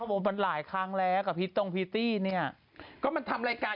บอกว่ามันหลายครั้งแล้วกับพีชตรงพีตตี้เนี่ยก็มันทำรายการ